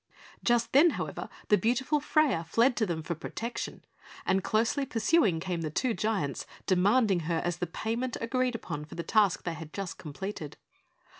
Just then, however, the beautiful Freia fled to them for protection; and closely pursuing came the two giants, demanding her as the payment agreed upon for the task they had just completed.